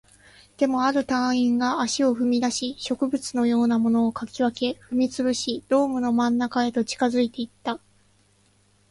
でも、ある隊員が足を踏み出し、植物のようなものを掻き分け、踏み潰し、ドームの真ん中へと近づいていった